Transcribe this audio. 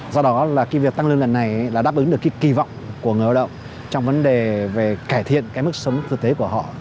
do đó việc tăng lương lần này đã đáp ứng được kỳ vọng của người lao động trong vấn đề về cải thiện mức sống thực tế của họ